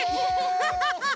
ハハハハ！